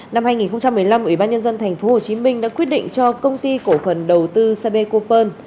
năm hai nghìn một mươi năm ủy ban nhân dân tp hcm đã quyết định cho công ty cổ phần đầu tư cbecopearl